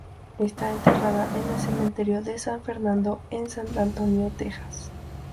Está enterrada en el Cementerio de San Fernando en San Antonio, Texas.